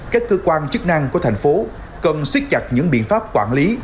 các cơ quan chức năng của thành phố cần siết chặt những biện pháp quản lý